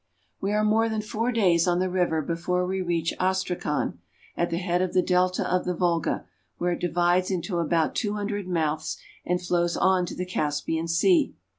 We are more than four days on the river before we reach Astrachan, at the head of the delta of the Volga, where it divides into about two hundred mouths and flows on to the Caspian Sea.